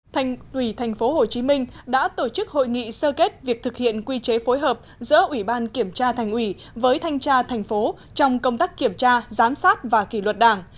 thành ủy tp hcm đã tổ chức hội nghị sơ kết việc thực hiện quy chế phối hợp giữa ủy ban kiểm tra thành ủy với thanh tra thành phố trong công tác kiểm tra giám sát và kỷ luật đảng